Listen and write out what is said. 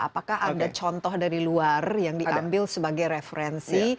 apakah ada contoh dari luar yang diambil sebagai referensi